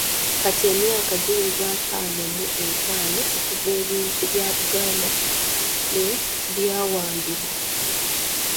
Kati emyaka giweze ataano mu etaano okuva ebintu bya Buganda lwe byawambibwa.